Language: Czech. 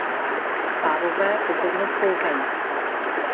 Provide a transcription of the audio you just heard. Pávové pozornost poutají.